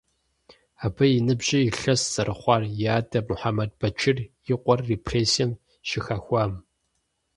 Абы и ныбжьыр илъэст зэрыхъуар и адэ Мухьэмэд Бэчыр и къуэр репрессием щыхэхуам.